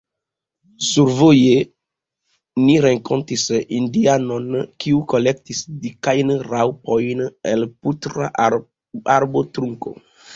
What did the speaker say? Survoje ni renkontis indianon, kiu kolektis dikajn raŭpojn el putra arbotrunko.